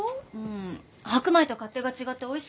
白米と勝手が違っておいしく炊けないの。